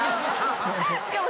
しかも。